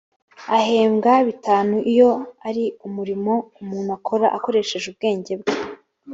ahembwa bitanu iyo ari umurimo umuntu akora akoresheje ubwenge bwe